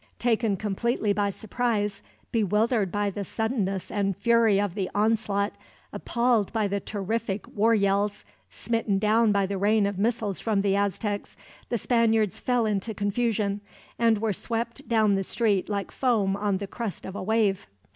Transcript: Taken completely by surprise, bewildered by the suddenness and fury of the onslaught, appalled by the terrific war yells, smitten down by the rain of missiles from the Aztecs, the Spaniards fell into confusion, and were swept down the street like foam on the crest of a wave.